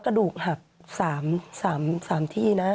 กระดูกไหน